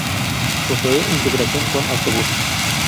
Posee integración con autobús.